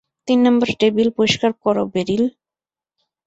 তিন number table পরিষ্কার কর বেরিল।